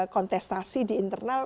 kontestasi di internal